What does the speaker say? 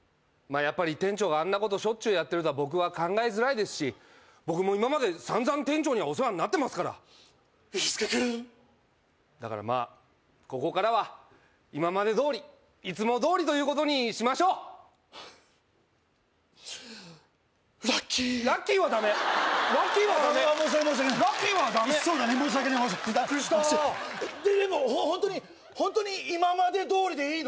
やっぱり店長があんなことしょっちゅうやってるとは僕は考えづらいですし僕も今までさんざん店長にはお世話になってますから飯塚君だからまあここからは今までどおりいつもどおりということにしましょうラッキーラッキーはダメラッキーはダメああ申し訳ない申し訳ないラッキーはダメそうだね申し訳ないビックリしたでもホントにホントに今までどおりでいいの？